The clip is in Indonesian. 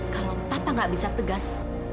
kalau papa gak bisa tegas